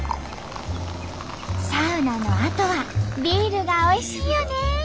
サウナのあとはビールがおいしいよね！